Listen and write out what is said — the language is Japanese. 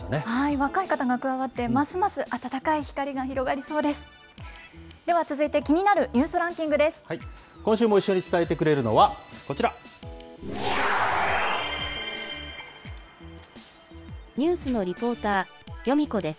若い方が加わって、ますます暖かい光が広がりそうです。